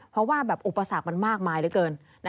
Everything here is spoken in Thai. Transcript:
เพราะว่าอุปสรรคมันมากมายเหลือเกิน